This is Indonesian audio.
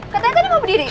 katanya tadi mau berdiri